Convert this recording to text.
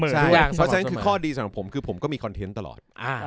เพราะฉะนั้นคือข้อดีสำหรับผมคือผมก็มีคอนเทนต์ตลอด